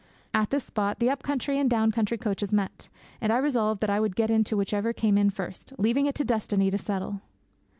At this spot the up country and down country coaches met, and I resolved that I would get into whichever came in first, leaving it to destiny to settle.